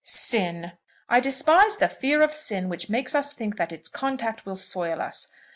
"Sin! I despise the fear of sin which makes us think that its contact will soil us.